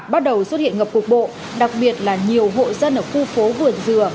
bắt đầu xuất hiện ngập cuộc bộ đặc biệt là nhiều hộ dân ở khu phố vườn dừa